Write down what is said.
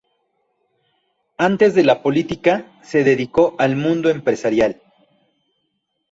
Antes de la política se dedicó al mundo empresarial.